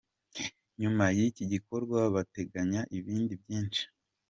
Nyuma y'iki gikorwa bateganya ibindi byinshi.